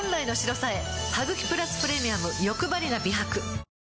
「ハグキプラスプレミアムよくばりな美白」